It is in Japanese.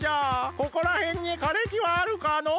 ここらへんにかれきはあるかのう？